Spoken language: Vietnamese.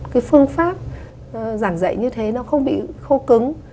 cái phương pháp giảng dạy như thế nó không bị khô cứng